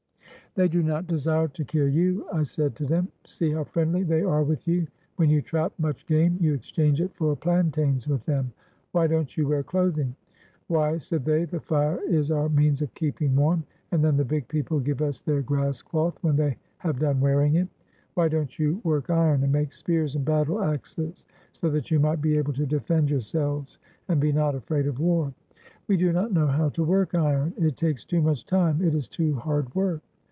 "They do not desire to kill you," I said to them. " See how friendly they are with you! When you trap much game you exchange it for plantains with them. Why don't you wear clothing?" "Why," said they, "the fire is our means of keeping warm, and then the big people give us their grass cloth when they have done wearing it." "Why don't you work iron, and make spears and battle axes, so that you might be able to defend your selves, and be not afraid of war?" "We do not know how to work iron; it takes too much time; it is too hard work.